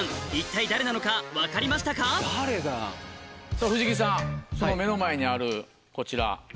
さぁ藤木さんその目の前にあるこちら。